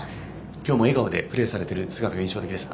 今日も笑顔でプレーされてる姿が印象的でした。